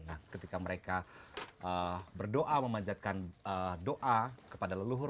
nah ketika mereka berdoa memanjatkan doa kepada leluhur